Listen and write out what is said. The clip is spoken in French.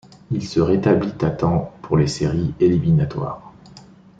Il se rétablit à temps pour les séries éliminatoires.